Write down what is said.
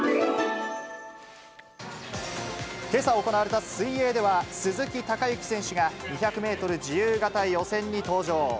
けさ行われた水泳では、鈴木孝幸選手が、２００メートル自由形予選に登場。